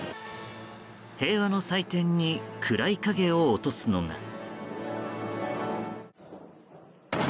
平和の祭典に暗い影を落とすのが。